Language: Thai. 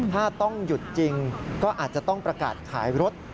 ถ้าต้องหยุดจริงก็อาจจะต้องประกาศขายรถ